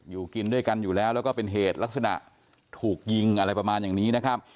อยู่กินด้วยกันอยู่แล้วแล้วก็เป็นเหตุลักษณะถูกยิงอะไรประมาณอย่างนี้นะครับ